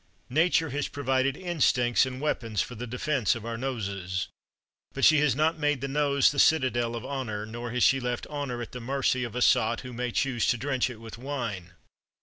Nature has provided instincts and weapons for the defence of our noses. But she has not made the nose the citadel of honor, nor has she left honor at the mercy of a sot who may choose to drench it with wine.